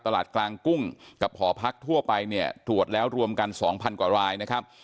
ตลาดกลางกุ้งกับหอพักทั่วไปเนี่ยตรวจแล้วรวมกัน๒๐๐กว่ารายนะครับ